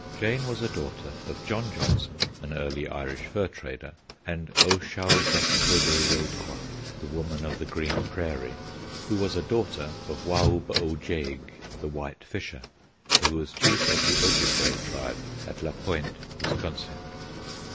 Jane was a daughter of John Johnston, an early Irish fur trader, and O shau gus coday way qua (The Woman of the Green Prairie), who was a daughter of Waub o jeeg (The White Fisher), who was Chief of the Ojibway tribe at La Pointe, Wisconsin.